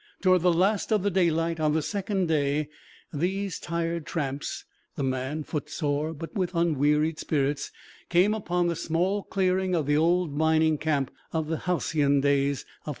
Toward the last of the daylight, on the second day, these tired tramps, the man footsore but with unwearied spirits came upon the small clearing of the old mining camp of the halcyon days of '49.